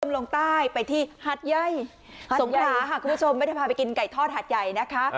คุณผู้ชมลงใต้ไปที่หัดไยสงระค่ะคุณผู้ชมไม่ได้พาไปกินไก่ทอดหัดใหญ่นะคะ